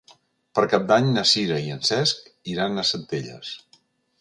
Per Cap d'Any na Sira i en Cesc iran a Centelles.